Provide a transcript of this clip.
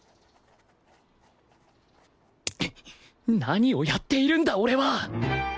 何をやっているんだ俺は！